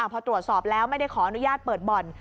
พอตรวจสอบแล้วไม่ได้ขออนุญาตเปิดบ่อน